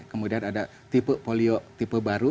kemudian ada tipe polio tipe baru